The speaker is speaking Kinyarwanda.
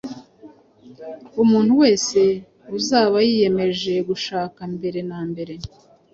Umuntu wese uzaba yiyemeje gushaka mbere na mbere